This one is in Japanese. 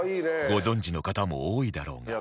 ご存じの方も多いだろうが